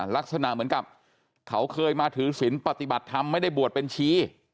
ลักษณะเหมือนกับเขาเคยมาถือศิลป์ปฏิบัติธรรมไม่ได้บวชบัญชี